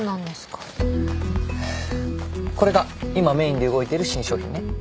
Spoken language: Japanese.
これが今メインで動いてる新商品ね。